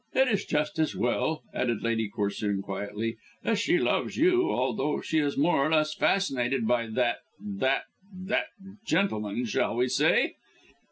It is just as well," added Lady Corsoon quietly, "as she loves you, although she is more or less fascinated by that that that gentleman, shall we say?"